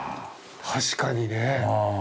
確かにね。